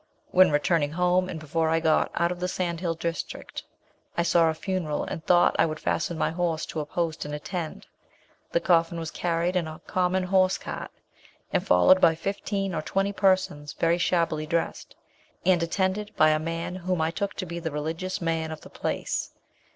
When returning home, and before I got out of the Sand Hill district, I saw a funeral, and thought I would fasten my horse to a post and attend. The coffin was carried in a common horse cart, and followed by fifteen or twenty persons very shabbily dressed, and attended by a man whom I took to be the religious man of the place.